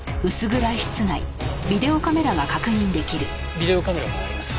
ビデオカメラがあります。